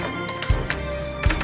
jangan lupa untuk mencoba